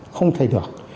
không thể được